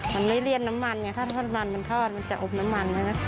มันไม่เลี่ยนน้ำมันไงถ้าทอดมันมันทอดมันจะอบน้ำมันใช่ไหม